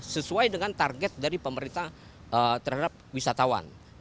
sesuai dengan target dari pemerintah terhadap wisatawan